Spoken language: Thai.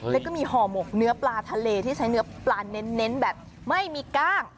แล้วก็มีห่อหมกเนื้อปลาทะเลที่ใช้เนื้อปลาเน้นแบบไม่มีกล้าง